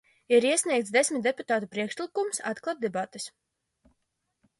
Ir iesniegts desmit deputātu priekšlikums atklāt debates.